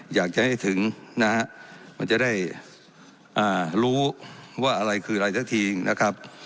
อยากจะให้ถึงนะฮะมันจะได้รู้ว่าอะไรคืออะไรสักทีนะครับ